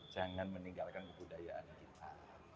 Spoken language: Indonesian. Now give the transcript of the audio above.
jangan meninggalkan kebudayaan kita